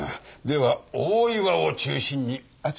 では大岩を中心に集まれ。